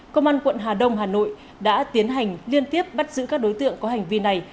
công an quận hà đông hà nội đã tiến hành liên tiếp bắt giữ các đối tượng có hành vi này